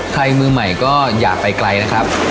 มือใหม่ก็อย่าไปไกลนะครับ